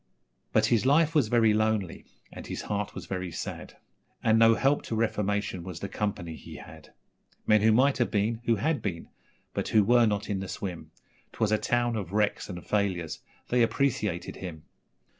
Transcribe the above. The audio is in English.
But his life was very lonely, and his heart was very sad, And no help to reformation was the company he had Men who might have been, who had been, but who were not in the swim 'Twas a town of wrecks and failures they appreciated him.